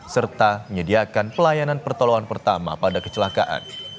serta menyediakan pelayanan pertolongan pertama pada kecelakaan